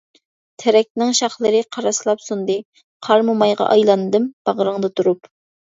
تېرەكنىڭ شاخلىرى قاراسلاپ سۇندى، قار مومايغا ئايلاندىم باغرىڭدا تۇرۇپ.